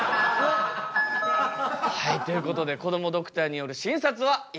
はいということでこどもドクターによる診察は以上となります。